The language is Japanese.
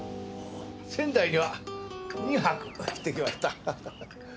仙台では２泊してきました。